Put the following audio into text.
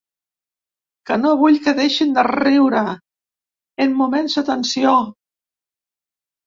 Que no vull que deixin de riure en moments de tensió.